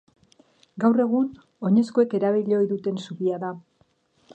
Gaur egun, oinezkoek erabili ohi duten zubia da.